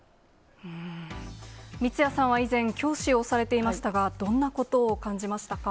三屋さんは以前、教師をされていましたが、どんなことを感じましたか？